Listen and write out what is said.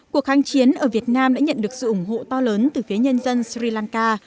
cuộc kháng chiến ở việt nam đã nhận được sự ủng hộ to lớn từ phía nhân dân sri lanka